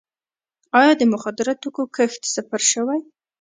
آیا د مخدره توکو کښت صفر شوی؟